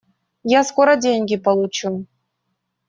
Я скоро деньги получу.